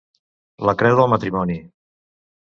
La creu del matrimoni.